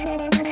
kau mau kemana